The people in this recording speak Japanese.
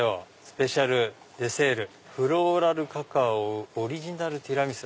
「スペシャルデセールフローラルカカオオリジナルティラミス」。